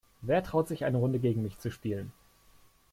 Wer traut sich, eine Runde gegen mich zu spielen?